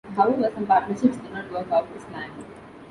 However, some partnerships did not work out as planned.